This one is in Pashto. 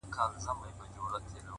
اخلاق د شخصیت هنداره ده’